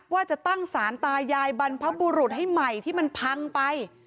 ว่าจะตั้งสารตายายบรรพบุรุษให้ใหม่ที่มันพังไป